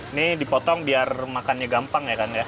ini dipotong biar makannya gampang ya kan ya